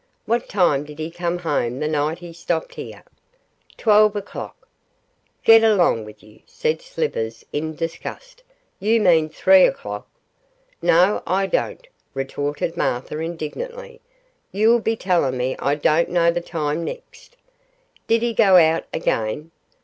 'What time did he come home the night he stopped here?' 'Twelve o'clock.' 'Get along with you,' said Slivers, in disgust, 'you mean three o'clock.' 'No, I don't,' retorted Martha, indignantly; 'you'll be telling me I don't know the time next.' 'Did he go out again?